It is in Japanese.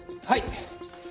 はい。